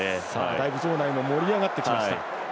だいぶ場内も盛り上がってきました。